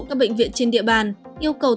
các bệnh viện trên địa bàn yêu cầu